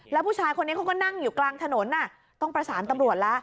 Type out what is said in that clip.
แล้วผู้ชายคนนี้เขาก็นั่งอยู่กลางถนนต้องประสานตำรวจแล้ว